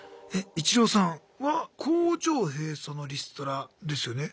イチローさんは工場閉鎖のリストラですよね？